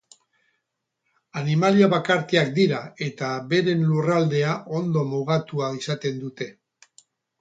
Animalia bakartiak dira, eta beren lurraldea ondo mugatua izaten dute.